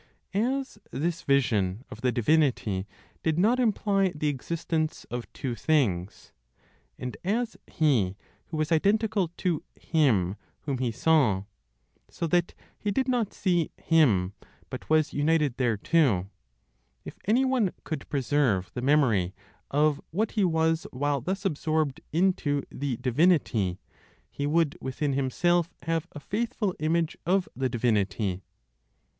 As (this vision of the divinity) did not imply (the existence of) two things, and as he who was identical to Him whom he saw, so that he did not see Him, but was united thereto, if anyone could preserve the memory of what he was while thus absorbed into the Divinity, he would within himself have a faithful image of the Divinity.